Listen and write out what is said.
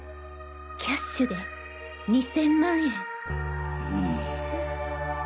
キャッシュで２０００万円。